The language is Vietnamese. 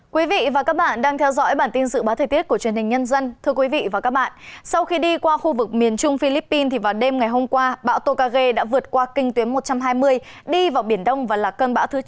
các bạn hãy đăng ký kênh để ủng hộ kênh của chúng mình nhé